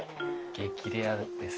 激レアです。